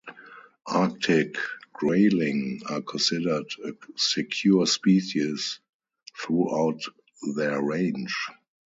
Arctic grayling are considered a secure species throughout their range.